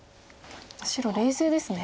白冷静ですね。